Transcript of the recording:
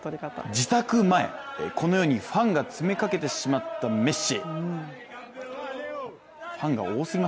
自宅前、このようにファンが詰めかけてしまったメッシ。